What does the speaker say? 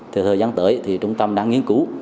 thời gian tới trung tâm đang nghiên cứu